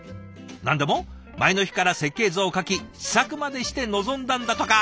何でも前の日から設計図を描き試作までして臨んだんだとか。